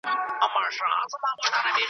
او ضمناً د ځنګله .